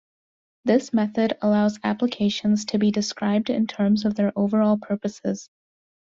This method allows applications to be described in terms of their overall purposes.